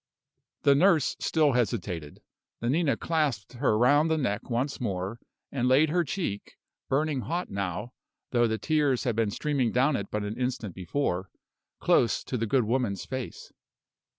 The nurse still hesitated. Nanina clasped her round the neck once more, and laid her cheek burning hot now, though the tears had been streaming down it but an instant before close to the good woman's face.